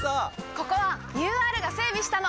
ここはＵＲが整備したの！